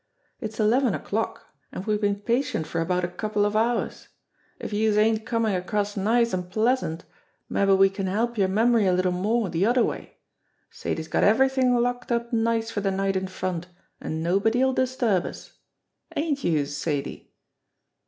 "It's eleven o'clock, and we've been patient for about a couple of hours. If youse ain't comin' across nice an' pleas ant, mabbe we can help yer memory a little more de other way. Sadie's got everything locked up nice for de night in front, an' nobody'll disturb us. Ain't youse, Sadie?"